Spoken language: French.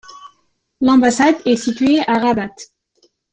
L'ambassade est située à Rabat.